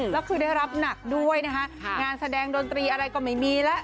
แล้วคือได้รับหนักด้วยนะคะงานแสดงดนตรีอะไรก็ไม่มีแล้ว